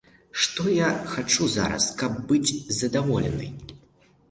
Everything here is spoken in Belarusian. Што я хачу зараз, каб быць задаволенай?